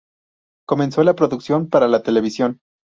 Comenzó la producción para la televisión.